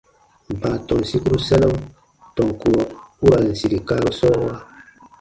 Baatɔn sikuru sanam tɔn kurɔ u ra n sire kaaru sɔɔwa.